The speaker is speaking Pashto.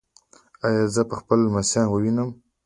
ایا زه به خپل لمسیان ووینم؟